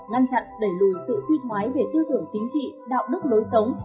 ngăn chặn đẩy lùi sự suy thoái về tư tưởng chính trị đạo đức lối sống